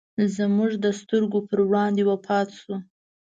زموږ د سترګو پر وړاندې وفات شو.